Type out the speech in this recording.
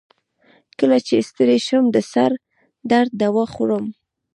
کله چې ستړی شم، د سر درد دوا خورم.